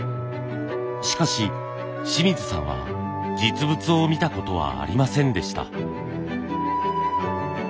しかし清水さんは実物を見たことはありませんでした。